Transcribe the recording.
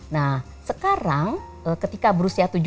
nah sekarang ketika berusia tujuh puluh lima tahun